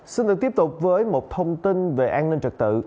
xin được tiếp tục với một thông tin về an ninh trật tự